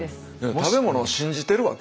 食べ物を信じてるわけだ。